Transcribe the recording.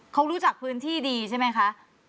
เขารู้จักพื้นที่ดีใช่ไหมคะ